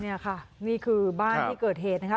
นี่ค่ะนี่คือบ้านที่เกิดเหตุนะคะ